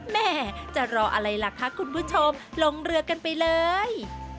แม่จะรออะไรล่ะคะคุณผู้ชมลงเรือกันไปเลย